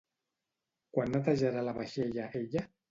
Quan netejarà la vaixella ella?